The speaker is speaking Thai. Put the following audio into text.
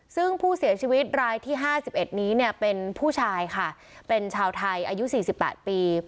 ซึ่งผู้เสียชีวิตรายที่ห้าสิบเอ็ดนี้เนี่ยเป็นผู้ชายค่ะเป็นชาวไทยอายุสี่สิบแปดปี